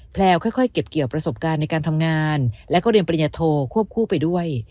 แลวค่อยเก็บเกี่ยวประสบการณ์ในการทำงานและก็เรียนปริญญาโทควบคู่ไปด้วย